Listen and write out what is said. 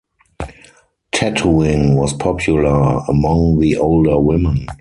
Tattooing was popular among the older women.